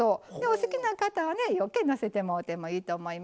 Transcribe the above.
お好きな方はねようけのせてもうてもいいと思います。